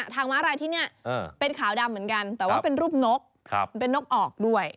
ม้าลายที่นี่เป็นขาวดำเหมือนกันแต่ว่าเป็นรูปนกเป็นนกออกด้วย